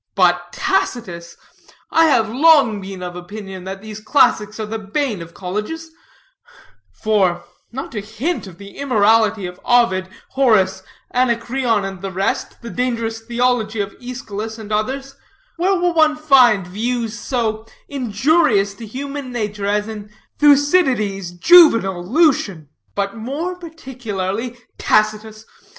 But Tacitus! I have long been of opinion that these classics are the bane of colleges; for not to hint of the immorality of Ovid, Horace, Anacreon, and the rest, and the dangerous theology of Eschylus and others where will one find views so injurious to human nature as in Thucydides, Juvenal, Lucian, but more particularly Tacitus?